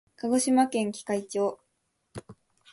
鹿児島県喜界町